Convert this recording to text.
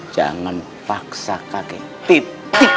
jangan paksa kakek titik titik